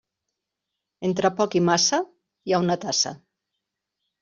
Entre poc i massa hi ha una tassa.